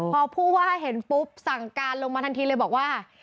พอผู้ว่าเห็นปุ๊บสั่งการลงมาทันทีเลยบอกว่า